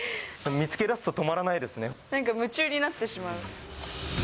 見つけ出すと止まらないですなんか夢中になってしまう。